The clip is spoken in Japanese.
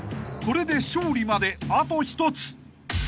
これで勝利まであと１つ］